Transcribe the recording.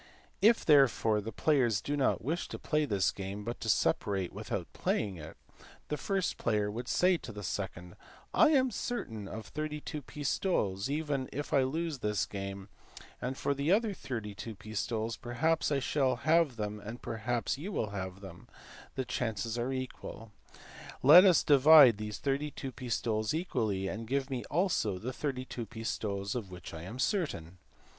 If therefore the players do not wish to play this game, but to separate without playing it, the first player would say to the second "I am certain of 32 pistoles even if I lose this game, and as for the other 32 pistoles perhaps I shall have them and perhaps you will have them ; the chances are equal. Let us then divide these 32 pistoles equally, and give me also the 32 pistoles of which I am certain."